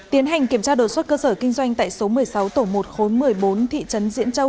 tiến hành kiểm tra đột xuất cơ sở kinh doanh tại số một mươi sáu tổ một khối một mươi bốn thị trấn diễn châu